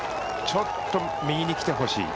ちょっと右に来てほしい。